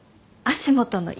足元の？